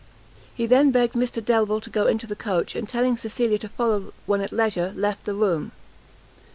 He then begged Mrs Delvile to go into the coach, and telling Cecilia to follow when at leisure, left the room.